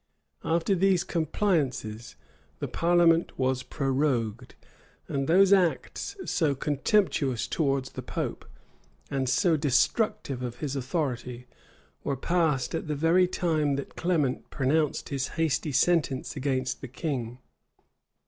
After these compliances, the parliament was prorogued; and those acts, so contemptuous towards the pope, and so destructive of his authority, were passed at the very time that Clement pronounced his hasty sentence against the king.